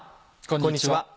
こんにちは。